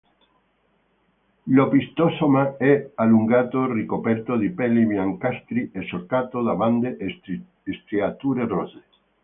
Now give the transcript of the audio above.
L'opistosoma è allungato, ricoperto di peli biancastri e solcato da bande o striature rosse.